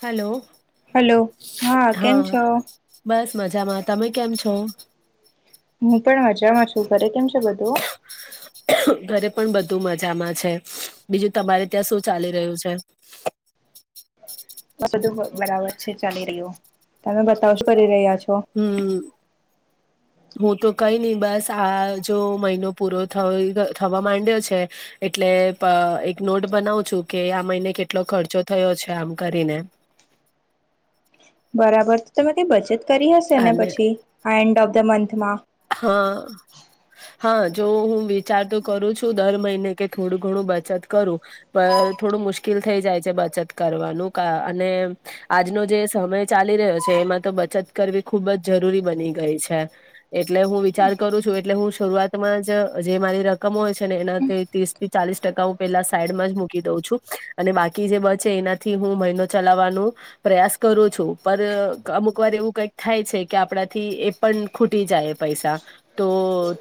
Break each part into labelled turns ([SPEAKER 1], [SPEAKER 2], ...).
[SPEAKER 1] Hello
[SPEAKER 2] hello હા કેમ છો
[SPEAKER 1] બસ મજામાં તમે કેમ છો
[SPEAKER 2] હું પણ મજામાં છું ઘરે કેમ છે બધું
[SPEAKER 1] ઘરે પણ બધું મજામાં છે બીજું તમારે ત્યાં શું ચાલી રહ્યું છે
[SPEAKER 2] બધું બરાબર છે ચાલી રહ્યો તમે બતાવો શું કરી રહ્યા છો
[SPEAKER 1] હમ હું તો કઈ નહી બસ આ જો મહિનો પૂરો થ થવા માંડ્યો છે. એટલે એક નોટ બનાવ છું કે આ મહિને કેટલો ખર્ચો થયો છે આમ કરીને
[SPEAKER 2] બરાબર તો તમે કઈ બચત કરી હશે ને
[SPEAKER 1] અને
[SPEAKER 2] પછી એન્ડ ઓફ ધ મંથમાં
[SPEAKER 1] હા હા જો હું વિચાર તો કરું છું દર મહિને કે થોડું ઘણું બચત કરું પણ થોડું મુશ્કેલ થઈ જાય છે બચત કરવાનું અને આજનો જે સમય ચાલી રહ્યો છે. એમાં તો બચત કરવી ખુબ જ જરૂરી બની ગઈ છે. એટલે હું વિચાર કરું છું એટલે હું શરૂઆતમાં જ જે મારી રકમ હોય છે ને એનાથી ત્રીસ થી ચાલીસ ટ હું પેલા સાઈડમાં જ મૂકી દઉં છું અને બાકી જે બસ છે એનાથી હું મહિનો ચલાવવાનું પ્રયાસ કરો છો પર અમુક વાર એવું કઈક થાય છે કે આપણાથી એ પણ ખુટ તટી જાય પૈસા તો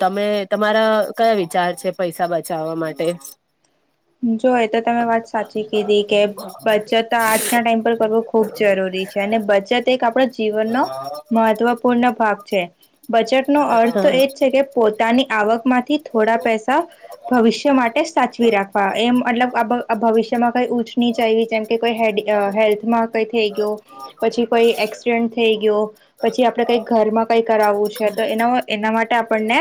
[SPEAKER 1] તમે તમારા કયા વિચાર છે પૈસા બચાવવા માટે [inaudible]
[SPEAKER 2] જો એ તો તમે વાત સાચી કીધી કે બચત આજના ટાઈમ પર કરવો ખુબ જરૂરી અને બચત એક આપણા જીવનનો મહત્વપૂર્ણ ભાગ છે. બચેટ નો અર્થ
[SPEAKER 1] હા
[SPEAKER 2] તો એજ છે કે પોતાની આવકમાં થોડા પૈસા ભવિષ્ય માટે સાચવી રાખે હ એમ મતલબ ભવિષ્યમાં કઈ ઉઊચ નહ જ આવી જેમ કે કોઈ હે હેલ્થમાં કંઈ થઈ ગય. પછી કોઈ એક્સિડન્ટ થઈ ગયો પછી આપડે કઈ ઘરમાં કઈ કરાવવું છે તો એના એના માટે આપણને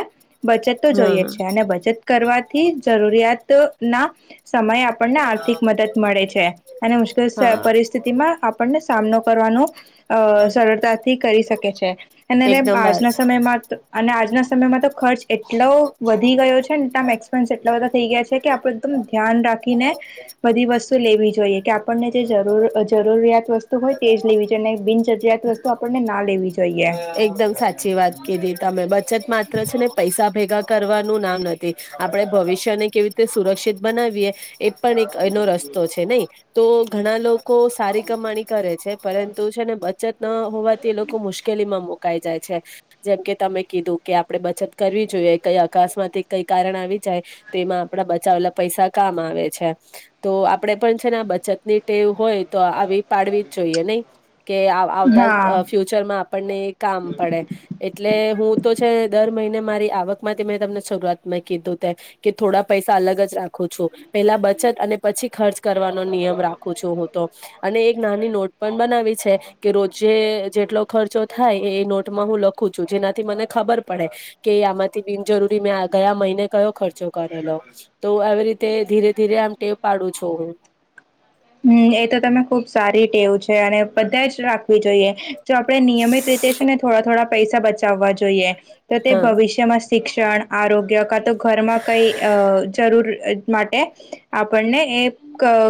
[SPEAKER 2] બચત તો જોઈએ
[SPEAKER 1] હા
[SPEAKER 2] છે અને બચત કરવાથી જરૂરિયાત સમય આપણને આર્થિક મદદ મળે છે અને મુશ્કેલ
[SPEAKER 1] હા
[SPEAKER 2] પરિસ્થિતિમાં આપણને સા કરવા સરળતાથી કરી શકે છે અને
[SPEAKER 1] એકદમ વાત
[SPEAKER 2] આજના સમયમાં સમય તો ખર્ચ એટલો વધી ગયો છે નેમ એક્સપેન્સ એટલા બધા થઈ ગયા છે કે આપણે ધ્યાન રાખીને બધી વસ્તુ લેવી જોઈએ કે આપણને જે જરૂરિયાત વસ્તુ તેજ લેવી જોઈએ ન બિનજરૂરિયાત વસ્તુ આપણને ના લેવી જોઈએ
[SPEAKER 1] એકદમ સાચી વાત કીધી તમે બ બચત માત્ર છે ને પૈસા ભેગા કરવાનું ના નથી આપણે ભવિષ્યને કેવી રીતે સુરક્ષિત બનાવીએ એ પણ એક એનો રસ્તો છે નહી તો ઘણા લોકો સારી કમાણી કરે છે પરંતુ છે ને બચત ના હોવાથી એ લોકો મુશ્કેલીમાં મુકાઈ જાય છે જેમ કે તમે કીધું કે આપડણે બચત કરવી જોઈએ કઈ અકાશમાંથી કઈ કારણ આવી જાય તો એમાં આપડા બચાવેલા પૈસા કામ આવે છે તો આપડે પણ છે ને બચત ની ટેવ હોય તો આવી પાડવી જ જોઈએ નહી કે આવતા
[SPEAKER 2] હા
[SPEAKER 1] ફ્યુચરમાં આપણને કામ પડે એટલે હું તો છે દર મહિને મારી આવક થી મેં તમને શરૂઆત કીધું કે થોડા પૈસા અલગ જ રાખું છું પેલા બ પછી ખર્ચ કરવાનો નિયમ રાખું છું હું તો અને એક નાની નોટ પણ બનાવી છે કે રોજે જેટલો ખર્ચો થાય એ નોટમાં હું લખું છું જેનાથી મને ખબર પડે કે આમાંથી બિનજરૂરી મેં ગયા મહિને કયો ખર્ચો કરેલો તો એ રીતે ધીરે ધીરે આમ ટેવ પાડું છું હું
[SPEAKER 2] હમ એ તો તમે ખુબ સારી ટેવું છે અને બધા જ રાખવી જોઈએ જો આપણે નિયમિત રીતે છે ને થોડા થોડા પૈસા બચાવવા જોઈએ તો તે
[SPEAKER 1] હા
[SPEAKER 2] ભવિષ્યમાં શિક્ષણ આરોગ્ય કા તો ઘરમાં કઈ જરૂર માટે આપણને એ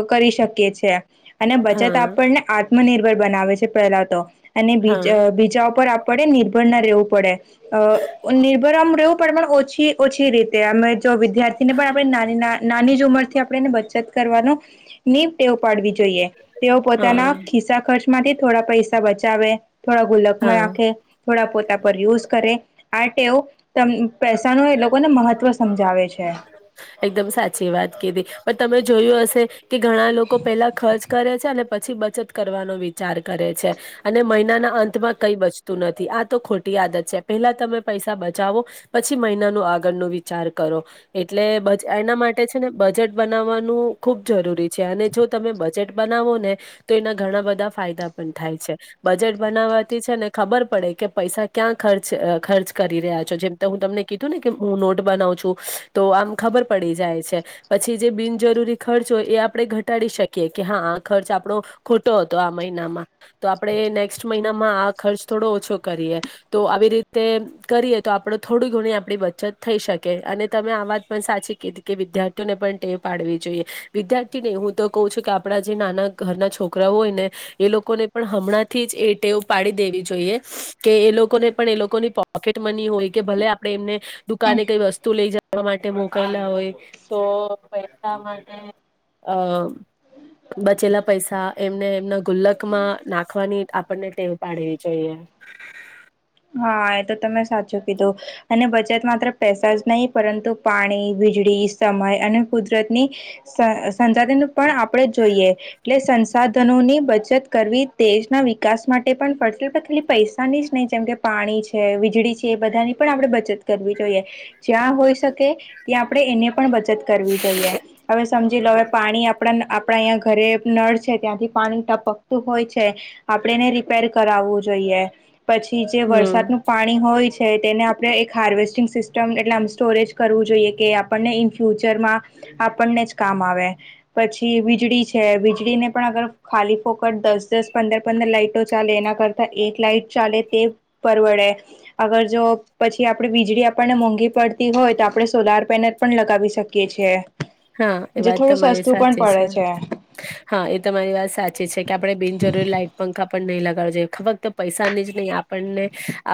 [SPEAKER 2] કરી શકીએ છીએ અને બચત
[SPEAKER 1] હા
[SPEAKER 2] આપણને આત્મનિર્ભર બનાવે છે પહેલા તો અને બીજ
[SPEAKER 1] હા
[SPEAKER 2] બીજા ઉપર આપડે નિર્ભર ના રહેવું પડે અ નિર્ભરમ રવું ઓછી ઓછી રીતે અમે જો વિદ્યાર્થી ને પણ આપણે નાની ઉમર થી આપણે એને બચત કરવાનો નીમ ટેવ પાડવી જોઈએ જોઈએ તેઓ
[SPEAKER 1] હા
[SPEAKER 2] પોતાના ખિસ્સા ખર્ચમાંથી થોડા પૈસા બચાવે થોડા
[SPEAKER 1] હા
[SPEAKER 2] ગુલકમાં નાખે થોડા પોતા પર યુઝ કરે આ ટેવ ત પૈસા ન એ લોકોને મહત્વ સમજાવે છે
[SPEAKER 1] એકદમ સાચી વાત કીધી પણ તમે જોયું હશે કે ઘણા લોકો પેલા ખર્ચ કરે છે અને પછી બચત કરવાનો વિચાર કરે છે અને મહિનાના અંતમાં કઈ બચતું નથી આ તો ખોટી આદત છે પેલા તમે પૈસા બચાવો પછી મહિનાનું આગળનો વિચાર કરો એટલે બ એના માટે છે ને બજેટ બનાવવાનું ખુબ જરૂરી છે અને જો તમે બજેટ બનાવો ને તો એના ઘણા બધા ફાયદા પણ થાય છે બજેટ બનાવાતી છે ને ખબર પડે કે પૈસા ક્યાં ખર્ચ ખર્ચ કરી રહ્યા છો જેમ હું તમને કીધું ને કે હું નોટ બનાવ છું તો આમ ખબર પડી જાય છે પછી જે બિનજરૂરી ખચૅ હોય એ આપણે ઘટાડી શકીએ કે હા ખર્ચ આપણો ખોટો હતો આ મહિનામાં તો આપણે નેક્સ્ટ મહિનામાં આ ખર્ચ થોડો ઓછો કરીએ તો આવી રીતે કરીએ તો આપડે થોડી ઘણી આપણી બચત થઈ શકે અને તમે આ વાત પણ સાચી કીધી કે વિદ્યાર્થીઓને પણ ટેવ પાડવી જો જોઈએ વિદ્યાર્થી ને હું તો ક છું કે આપણા જે નાના ઘરના છોકરાઓ હોય ને એ લોકોને પણ હમણાંથી જ એ ટેવ પાડી દેવી જોઈએ કે એ લોકોને પણ એ લોકોની પોકેટ મની હોય કે ભલે આપડે એમને દુકાને કઈ વસ્તુ લઈ જવા માટે કેલા હોય તો પૈસા માટે અ બચેલા પૈસા એમને એમના ગુલ્લકમાં નાખવાની આપડને ટેવ પાડવી જોઈએ [unintelligible]
[SPEAKER 2] હા એ તો તમે સાચું કીધું અને ગુજરાત માત્ર પૈસા જ નહીં પરંતુ પાણી વીજળી સમય અને કુદરતની સંસાધન પણ આપણેે જોઈએ એટલે સંસાધનોની બચત કરવી દેશના વિકાસમાં માટે પણ ફડશે ખાલી પૈસાની જ નહી જેમ કે પાણી છે વીજળી છે એ બધાની પણ આપણે બચત કરવી જોઈએ જ્યાં હોઈ શકે ત્યાં આપણે એને પણ બચત કરવી જોઈએ હવે સમજી લો પાણી આપ આપડા અહીં ઘરે નળ છે ત્યાંથી પાણી ટપકતું હોય છે આપડે એને રિપેર કરાવવું જોઈએ પછી જે
[SPEAKER 1] હમ
[SPEAKER 2] વરસાદનું પાણી હોય છે છે તેને આપણે એક હાર્વેસ્ટિંગ સિસ્ટમ એટલે આમ સ્ટોરેજ કરવું જોઈએ કે આપણને ઇન ફ્યુચરમાં આપણને જ કામ આવે પછી વીજળી છે વીજળી ને પણ અગર ખાલી ફોકટ દસ દસ દસ પંદર પંદર લાઈટો ચાલે એના કરતા એક લઇટ ચાલે તે પરવડે અગર જો પછી આપડે વીજળી આપણને મોંઘી પડતી હોય તો આપણે સોલાર પેનલ પણ લગાવી શકીએ છીએ
[SPEAKER 1] હા એ
[SPEAKER 2] જે
[SPEAKER 1] વાત
[SPEAKER 2] થોડું
[SPEAKER 1] તમારી
[SPEAKER 2] સસ્તું પણ
[SPEAKER 1] સાચી
[SPEAKER 2] પડે
[SPEAKER 1] છે હા એ તમારી વાત સાચી છે કે આપડણે બિનજરૂરી લાઈટ પંખા પણ નહીં લગાડજએ ફક્ત પૈસાની જ નહીં આપણને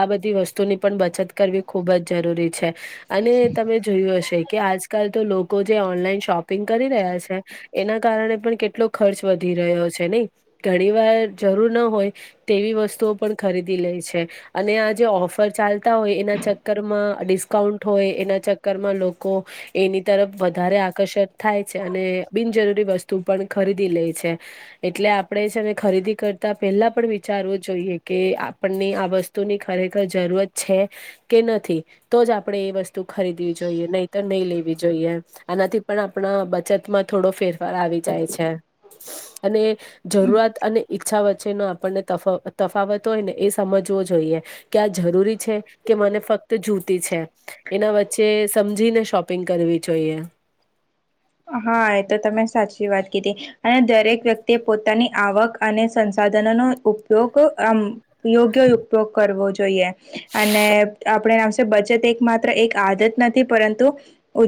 [SPEAKER 1] આ બધી વસ્તુની પણ બચત કરવી ખૂબ જ જરૂરી છે અને તમે જોયું હશે કે આજકાલ તો લોકો ઓન શોપિંગ કરી રહ્યા છે એના કારણે પણ કેટલો ખર્ચ વધી રહ્યો છે નહી ઘણી વાર જરૂર ન હોય તેવી વસ્તુઓ પણ ખરીદી લે છે અને આ જે ઓફર ચાલુ છે હોય એ ચક્કર માં ડિસ્કાઉન્ટ હોય એના ચક્કરમાં લોકો એની તરફ વધારે આકર્ષક થાય છે અને બિનજરૂરી વસ્તુ પણ ખરીદી લે છે એટલે આપણે આપડે છે અને ખરીદી કરતા પહેલા પણ વિચારવું જોઈએ કે આપણને આ વસ્તુની ખરેખર જરૂર જ છે કે નથી તો જ આપણે એ વસ્તુ ખરીદવી જોઈએ નહી તો નહી લેવી જોઈએ. આનાથી પણ આપણા બચતમાં થોડો ફેરફાર આવી જાય છે. અને જરૂરિયાત અને ઈચ્છા વચ્ચેનો આપણને તફાવત હોય ને એ સમજ કે આ જરૂરી છે કે મને ફક્ત જૂતી છે એના વચ્ચે સમજી શોપિંગ કરવી જોઈએ.
[SPEAKER 2] હા એ તો તમે સાચી વાત કીધી અને દરેક વ્યક્તિએ પોતાની આવક અને સંસાધન ન ઉપયોગ આ યોગ્ય ઉપયોગ કરવો જોઈએ. અને આપણેમ બચત એક માત્ર એક આદત નથી પરંતુ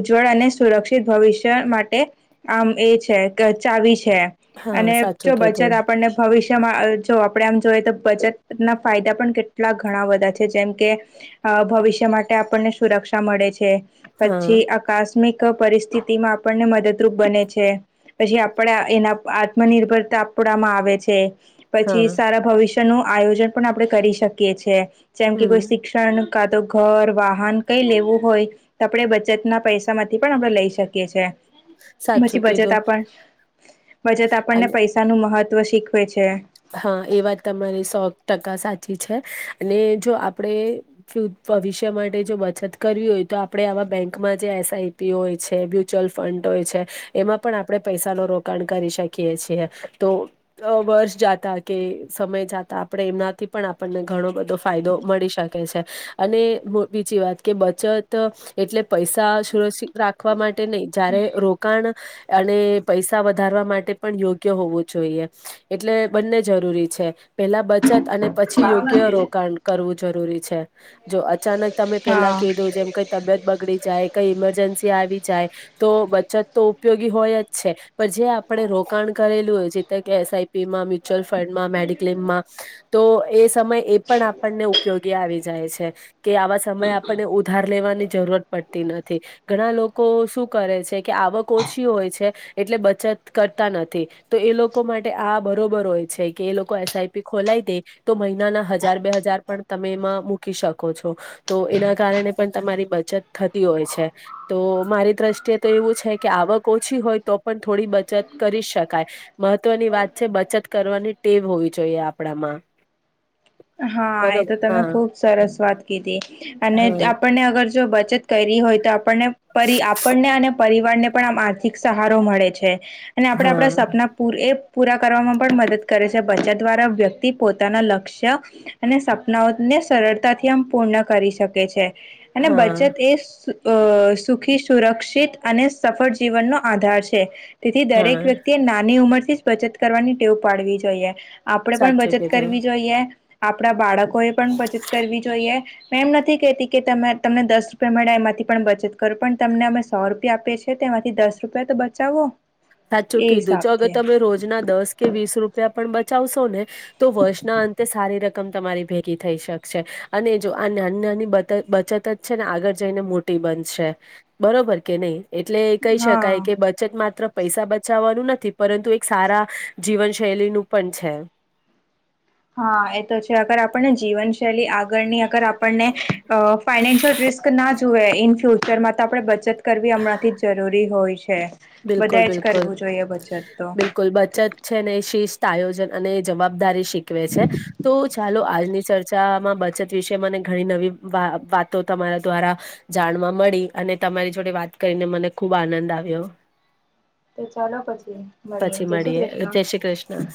[SPEAKER 2] જળ અને સુરક્ષિત ભવિષ્ય માટે આમ એ છે ચાવી છે
[SPEAKER 1] હા
[SPEAKER 2] અને
[SPEAKER 1] સાચું
[SPEAKER 2] જો બચત
[SPEAKER 1] કીધું
[SPEAKER 2] આપણને ભવિષ્ય જો આપણે આમ જોઈએ તો બજટ ના ફાયદા પણ કેટલા ઘણા બધા છે જેમ કે ભવિષ્ય માટે આપણને સુરક્ષા મળે છે
[SPEAKER 1] હા
[SPEAKER 2] પછી આકસ્મિક પરિસ્થિતિમાં આપણને મદદરૂપ બને છે પછી આપણા એના આત્મનિર્ભરતા આપણામાં આવે છે. પછી
[SPEAKER 1] હા
[SPEAKER 2] સારા ભવિષ્ય નું આયોજન પણ આપણેે કરી શકીએ છએ જેમ કે કોઈ
[SPEAKER 1] હમ
[SPEAKER 2] શિક્ષણ કા તો ઘર વાહન કઈ લેવું હોય તો આપણેે બચત ના પૈસા માંથી પણ આપણે લઈ શકીએ છીએ. પછી
[SPEAKER 1] સાચું
[SPEAKER 2] બચત
[SPEAKER 1] કીધું
[SPEAKER 2] આપણ બચત
[SPEAKER 1] અને
[SPEAKER 2] આપણને પૈસાનું મહત્વ તત્વ શીખવે છે.
[SPEAKER 1] હા એ વાત તમારી સો ટકા સાચી છે અને જો આપણે ભવિષ્ય માટે જો બચત કરવી હોય તો આપણે આવા બેંકમાં જે એસઆઈપી હોય છે મ્યુચ્યુઅલ ફંડ હો એમાં પણ આપણે પૈસા ન રોકાણ કરી શકીએ છીએ તો વર્ષ જાત કે સમય જતા આપણે એમનાથી પણ આપણને ઘણો બધો ફાયદો મળી શકે છે અને બીજી વાત કે બચત એટલે પૈસા સુરક્ષિત રાખવા માટે નહી જયારે રોકાણ અને પૈસા વધારવા માટે પણ યોગ્ય હોવું જોઈએ એટલે બંને જરૂરી છે પેલા બચત અને પછી યોગ્ય રોકાણ કરવું જરૂરી છે જો અચાનક તમે પેલા
[SPEAKER 2] હા
[SPEAKER 1] કીધો જેમ કઈ તબિયત બગડી જાય કઈ ઈમરજન્સી આવી જાય તો બચત તો ઉપયોગી હોય જ છે પણ જે આપણે રોકાણ કરેલું હોય જે કે એસઆઈપી માં મ્યુચ્યુઅલ ફંડમાં મેડિક્લેમમાં તો એ સમય એ પણ આપણને ઉપયોગી આવી જાય છે. કે આવા સમયે આપણને ઉધાર લેવાની જરૂરત પડતી નથી ઘણા લોકો શું કરે છે. કે આવક ઓછી હોય છે એટલે બચત કરતા નથી તો એ લોકો માટે આ બ હોય છે કે એ લોકો એસઆઈપી ખોલાય દે તો મહિનાના હજાર બે હજાર પણ તમે એમાં મૂકી શકો. તો એના કારણે પણ તમારી બચત થતી હોય છે તો મારી દ્રષ્ટિએ તો એવું છે કે આવક ઓછી હોય તો પણ થોડી બચત કરી શકાય મહત્વની વાત છે બચત કરવાની ટેવ હોવી જોઈએ આપણામાં
[SPEAKER 2] હા એ
[SPEAKER 1] બરોબર
[SPEAKER 2] તો તમે
[SPEAKER 1] હા
[SPEAKER 2] ખુબ સરસ વાત કીધી અને
[SPEAKER 1] હા
[SPEAKER 2] આપણને અગર જો બચત કરી હોય તો આપણને આપણને અને પરિવાર ને પણ આમ આર્થિક સહારો મળે છે. અને આપડે
[SPEAKER 1] હા
[SPEAKER 2] આપણા સપના પૂર એ પૂરા કરવામાં પણ મદદ કરે છે બચત દ્વારા વ્યક્તિ પોતાના લક્ષ્ય અને સપનાઓને સરળતાથી આમ પૂર્ણ કરી શકે છે. અને
[SPEAKER 1] હા
[SPEAKER 2] બચત એ અ સુખી સુરક્ષિત અને સફળ જીવનનોો આધાર છે. તેથી
[SPEAKER 1] હા
[SPEAKER 2] દરેક વ્યક્તિએ નાની ઉંમરથી જ બચત કરવાની ટેવ પાડવી જોઈએ આપણેે પણ
[SPEAKER 1] સાચું
[SPEAKER 2] બચત
[SPEAKER 1] કીધું
[SPEAKER 2] કરવી જોઈએ આપણા બાળકોએ પણ બચત કરવી જોઈએ મેં એમ નથી કહેતી કે ત તમને દસ રૂપિયા મળ્યા એમાંથી પણ બચત કરો પણ તમને અમે સો રૂપિયા આપીએ છીએ. તેમાંથી દસ રૂપિયા તો બચાવો
[SPEAKER 1] સાચું
[SPEAKER 2] એ
[SPEAKER 1] કીધું જો અગર
[SPEAKER 2] હિસાબથી
[SPEAKER 1] તમે રોજના દસ કે વીસ રૂપિયા પણ બ ો ને તો વર્ષના અંતે સારી રકમ તમારી ભેગી થઈ શકશે અને જો આ ની બચત જ છે ને આગળ જઈને મોટી બનશે બરોબર કે નહી? એટલે એ કહી શકાય
[SPEAKER 2] હા
[SPEAKER 1] કે બચત માત્ર પૈસા બચાવવાનું નથી પરંતુ એક સારા, જીવનશૈલીનું પણ છે.
[SPEAKER 2] હા એ તો છે અગર આપણને જીવનશૈલી આ ગની અગર આપણને, ફાઈનેન્શયલ રિસ્ક ના જોએ. ઇન ફ્યુચરમાં તો આપણે બચત કરવી હમણાંથી જ જરૂરી હોય છે.
[SPEAKER 1] બિલકુલ
[SPEAKER 2] બધાએ જ
[SPEAKER 1] બિલકુલ,
[SPEAKER 2] કરવું જોઈએ બચત તો
[SPEAKER 1] બિલકુલ બચત
[SPEAKER 2] તો
[SPEAKER 1] છે ને શિસ્ત આજન અને જવાબદારી શીખવે છે, તો ચાલો આ આની ચર્ચામાં બચત વિશે મને ઘણી નવી વાતો તમારા દ્વારા, જાણવા મળી. અને તમારી જોડે વાત કરીને મને ખુબ આનંદ આવ્યો.
[SPEAKER 2] ચાલો પછી
[SPEAKER 1] પછી
[SPEAKER 2] જય શ્રી
[SPEAKER 1] મળીએ
[SPEAKER 2] કૃષ્ણ
[SPEAKER 1] ધ શ્રી કૃષ્ણ. [inaudible]